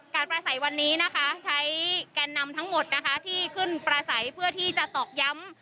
ประสัยวันนี้นะคะใช้แกนนำทั้งหมดนะคะที่ขึ้นประสัยเพื่อที่จะตอกย้ำ